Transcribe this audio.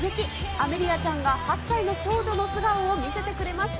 アメリアちゃんが８歳の少女の素顔を見せてくれました。